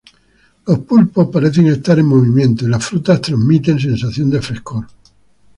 Los pulpos parecen estar en movimiento y las frutas transmiten sensación de frescor.